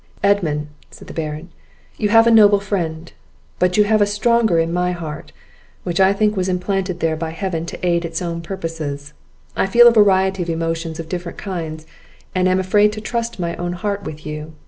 "Edmund," said the Baron, "you have a noble friend; but you have a stronger in my heart, which I think was implanted there by Heaven to aid its own purposes. I feel a variety of emotions of different kinds, and am afraid to trust my own heart with you.